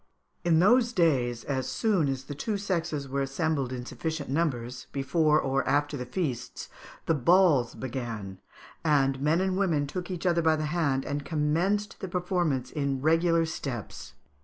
In those days, as soon as the two sexes were assembled in sufficient numbers, before or after the feasts, the balls began, and men and women took each other by the hand and commenced the performance in regular steps (Fig.